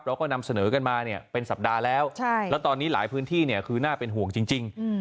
เราก็นำเสนอกันมาเนี่ยเป็นสัปดาห์แล้วแล้วตอนนี้หลายพื้นที่เนี่ยคือน่าเป็นห่วงจริง